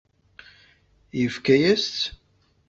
Yefka-yas-tt?